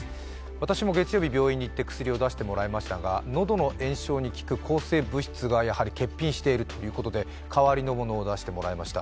私も月曜日、病院に行って薬を出してもらいましたが喉の炎症に効く抗生物質がやはり欠品しているということで代わりのものを出してもらいました。